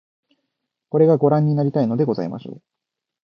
これが御覧になりたいのでございましょう